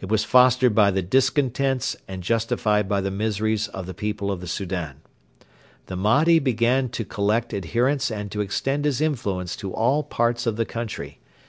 It was fostered by the discontents and justified by the miseries of the people of the Soudan. The Mahdi began to collect adherents and to extend his influence in all parts of the country.